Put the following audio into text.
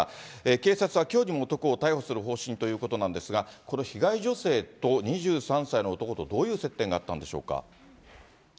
警察はきょうにも男を逮捕する方針ということなんですが、この被害女性と２３歳の男とどういう接点があったんでしょうか。